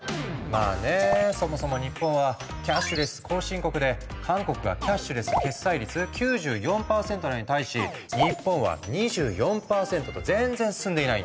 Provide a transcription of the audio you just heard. まあねそもそも日本はキャッシュレス後進国で韓国がキャッシュレス決済率９４％なのに対し日本は２４％と全然進んでいないんだ。